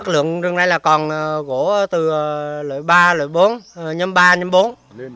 lượng rừng này là còn gỗ từ lợi ba lợi bốn nhâm ba nhâm bốn